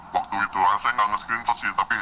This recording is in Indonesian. waktu itu lah saya nggak nge screenshot sih